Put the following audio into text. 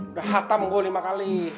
udah hatam gue lima kali